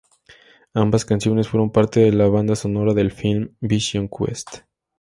Ambas canciones fueron parte de la banda sonora del film "Vision Quest".